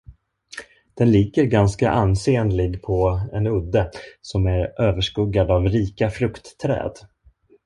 Den ligger ganska ansenlig på en udde, som är överskuggad av rika fruktträd.